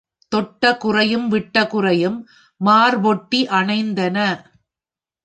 தொட்ட குறையும் விட்டகுறையும் மார்பொட்டி அணைந்தன.